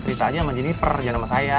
ceritanya sama jeniper jangan sama saya